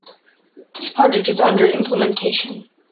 This project is under implementation.